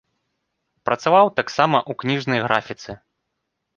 Працаваў таксама ў кніжнай графіцы.